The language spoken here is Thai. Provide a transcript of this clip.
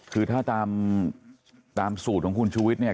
คือถ้าตามสูตรของคุณชูวิทย์เนี่ย